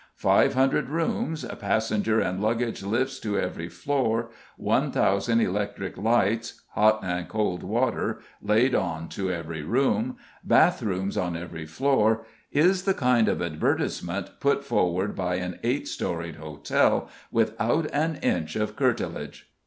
"Five hundred rooms, passenger and luggage lifts to every floor, 1,000 electric lights, hot and cold water laid on to every room, bath rooms on every floor," is the kind of advertisement put forward by an eight storeyed hotel without an inch of curtilage.